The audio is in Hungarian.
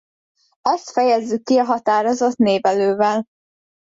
Ezt fejezzük ki a határozott névelővel.